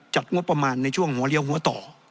งบประมาณในช่วงหัวเลี้ยวหัวต่อ